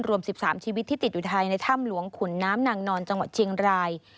รวม๑๓ชีวิตที่ติดอยู่ภายในถ้ำหลวงขุนน้ำนางนอนจังหวัดเชียงราย